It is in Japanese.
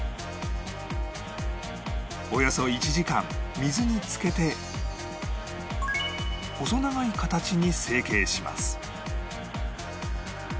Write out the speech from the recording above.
およそ１時間水につけて細長い形に成形します